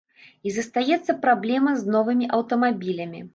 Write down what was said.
І застаецца праблема з новымі аўтамабілямі.